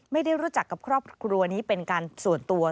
ไม่ได้รู้จักกับครอบครัวนี้เป็นการส่วนตัว